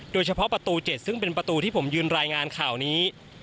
เฉพาะประตู๗ซึ่งเป็นประตูที่ผมยืนรายงานข่าวนี้